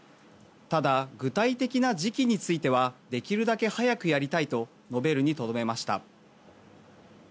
ただ、具体的な時期についてはできるだけ早くやりたいと述べるにとどめました。